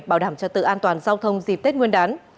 bảo đảm trật tự an toàn giao thông dịp tết nguyên đán